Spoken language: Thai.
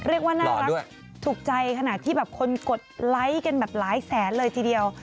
เรียกว่าน่ารักถูกใจขนาดที่แบบคนกดไลค์กันแบบหลายแสนเลยทีเดียว